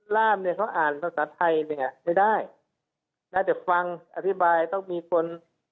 ร่ามเนี่ยเขาอ่านภาษาไทยเนี่ยไม่ได้นะแต่ฟังอธิบายต้องมีคน